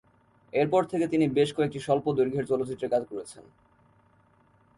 এর পর থেকে তিনি বেশ কয়েকটি স্বল্পদৈর্ঘ্যের চলচ্চিত্রে কাজ করেছেন।